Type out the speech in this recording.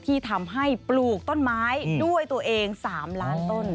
ที่ทำให้ปลูกต้นไม้ด้วยตัวเอง๓ล้านต้น